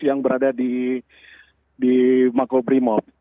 yang berada di mako primot